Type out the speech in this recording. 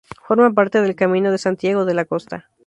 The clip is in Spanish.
Forma parte del Camino de Santiago de la Costa.